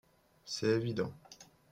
C’est évident.